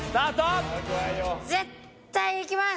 絶対にいきます！